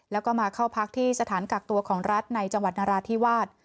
แล้วก็มาเข้าพักที่สถานกักตัวของรัฐในจังหวัดนราธิวาส